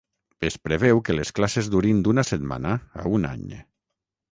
Es preveu que les classes durin d'una setmana a un any.